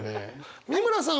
美村さん